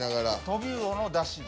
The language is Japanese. トビウオのだしで。